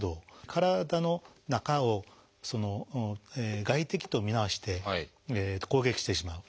体の中を外敵と見なして攻撃してしまう。